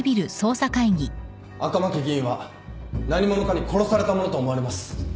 赤巻議員は何者かに殺されたものと思われます。